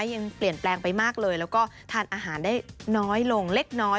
ยังเปลี่ยนแปลงไปมากเลยแล้วก็ทานอาหารได้น้อยลงเล็กน้อย